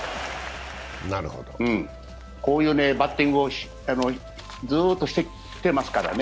こういうバッティングをずっとしてきてますからね。